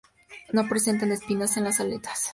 No presenta espinas en las aletas.